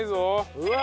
うわ！